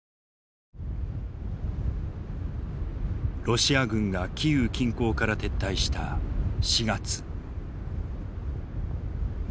ロシア軍がキーウ近郊から撤退した４月。